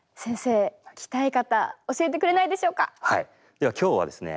では今日はですね